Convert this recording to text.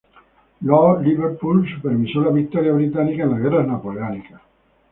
Lord Liverpool supervisó la victoria británica en las guerras napoleónicas.